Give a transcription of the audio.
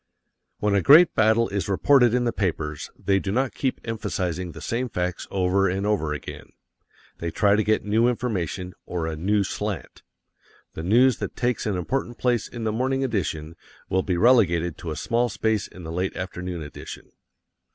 When a great battle is reported in the papers, they do not keep emphasizing the same facts over and over again. They try to get new information, or a "new slant." The news that takes an important place in the morning edition will be relegated to a small space in the late afternoon edition.